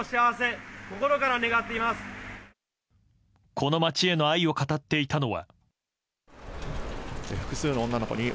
この町への愛を語っていたのは。